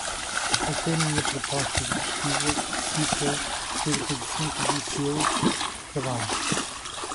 Até minha proposta de pesquisa cita cerca de cinco de seus trabalhos.